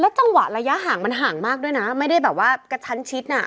จังหวะระยะห่างมันห่างมากด้วยนะไม่ได้แบบว่ากระชั้นชิดน่ะ